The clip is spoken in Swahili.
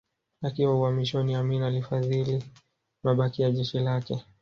Akiwa uhamishoni Amin alifadhili mabaki ya jeshi lake